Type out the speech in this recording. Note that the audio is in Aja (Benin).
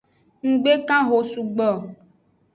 Nggbe kan eho sugbo o.